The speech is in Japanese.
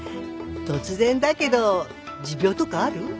突然だけど持病とかある？